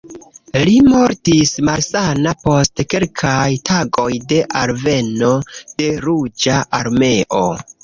Li mortis malsana post kelkaj tagoj de alveno de Ruĝa Armeo.